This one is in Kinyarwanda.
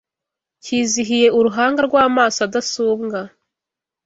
Kizihiye uruhanga Rw’amaso adasumbwa